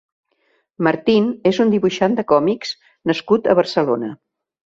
Martín és un dibuixant de còmics nascut a Barcelona.